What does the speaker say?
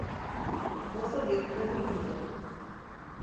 Nasıl yapılır bilmiyorum.